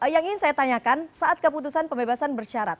yang ingin saya tanyakan saat keputusan pembebasan bersyarat